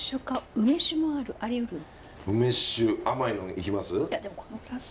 梅酒甘いのいきます？